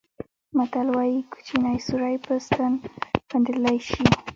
متل وایي کوچنی سوری په ستن بندېدلای شي.